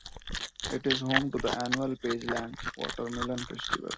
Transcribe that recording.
It is home to the annual Pageland Watermelon Festival.